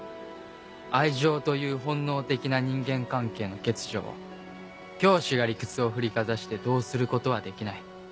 「愛情という本能的な人間関係の欠如を教師が理屈を振りかざしてどうすることはできない。